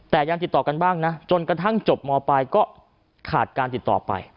แต่ยังติดต่อกันบ้างนะจนกระทั่งจบมปลายก็ขาดการติดต่อไป